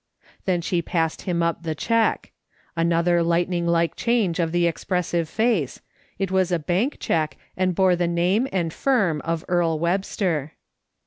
Then she passed him up the cheque. Another lightning like change of the expressive face; it was a bank cheque, and bore the name and firm of Earle Webster.